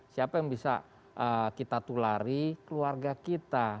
siapa yang bisa kita tulari keluarga kita